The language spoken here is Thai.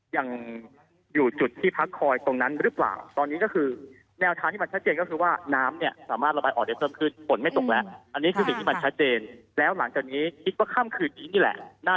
ยังอยู่จุดที่พักคอยตรงนั้นหรือเปล่า